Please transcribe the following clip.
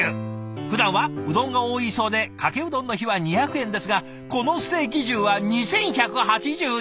ふだんはうどんが多いそうでかけうどんの日は２００円ですがこのステーキ重は２，１８０円！